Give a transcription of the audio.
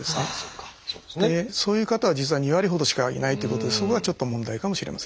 そういう方は実は２割ほどしかいないということでそこがちょっと問題かもしれません。